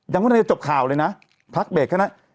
ยังว่านั้นจะจบข่าวเลยนะพักเบรกครับนะ